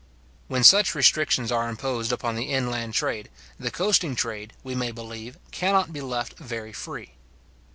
When such restrictions are imposed upon the inland trade, the coasting trade, we may believe, cannot be left very free.